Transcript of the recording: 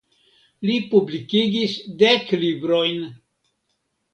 Li publikigis dek librojn.